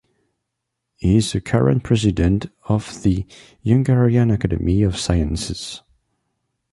He is the current president of the Hungarian Academy of Sciences.